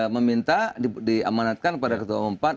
meminta diamanatkan kepada ketua umpan